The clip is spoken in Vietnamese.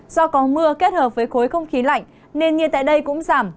do có mưa kết hợp với khối không khí lạnh nền nhiệt tại đây cũng giảm